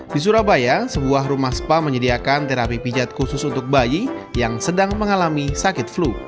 di surabaya sebuah rumah spa menyediakan terapi pijat khusus untuk bayi yang sedang mengalami sakit flu